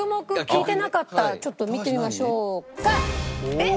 えっ！？